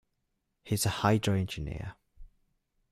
He is a hydro-engineer.